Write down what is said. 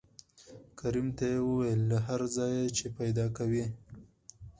کريم ته يې وويل له هر ځايه چې پېدا کوې.